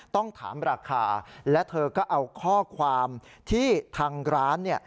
ต้องถามราคาและเธอก็เอาข้อความที่ทางร้านเนี่ย